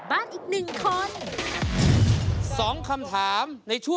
กับพอรู้ดวงชะตาของเขาแล้วนะครับ